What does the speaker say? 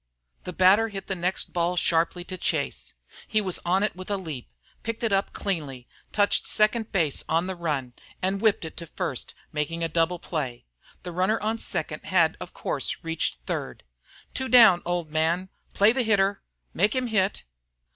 The batter hit the next ball sharply to Chase. He was on it with a leap, picked it up cleanly, touched second base on the run, and whipped it to first, making a double play. The runner on second had of course reached third. "Two down, old man!" "Play the hitter!" "Make him hit!"